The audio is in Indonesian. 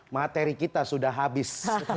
materi kita sudah habis